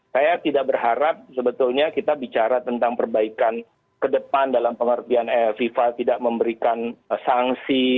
saya tidak berharap sebetulnya kita bicara tentang perbaikan ke depan dalam pengertian fifa tidak memberikan sanksi